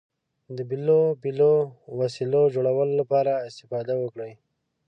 د بېلو بېلو وسایلو جوړولو لپاره استفاده وکړئ.